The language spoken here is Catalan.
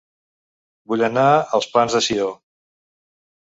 Vull anar a Els Plans de Sió